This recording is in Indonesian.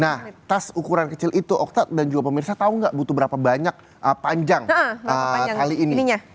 nah tas ukuran kecil itu okta dan juga pemirsa tahu nggak butuh berapa banyak panjang kali ini